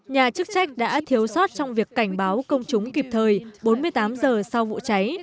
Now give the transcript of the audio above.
nhà chức trách đã thiếu sót trong việc cảnh báo công chúng kịp thời bốn mươi tám giờ sau vụ cháy